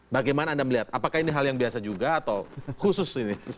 bagaimana anda melihat apakah ini hal yang biasa juga atau khusus ini